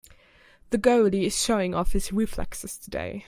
The goalie is showing off his reflexes today.